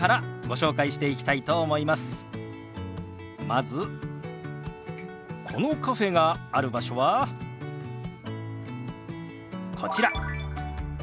まずこのカフェがある場所はこちら。